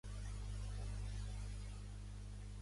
De l'Alba m'ha arribat algun missatge de Messenger aquest matí?